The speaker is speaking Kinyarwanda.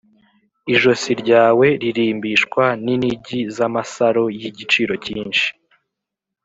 Ijosi ryawe ririmbishwa n’inigi z’amasaro y’igiciro cyinshi.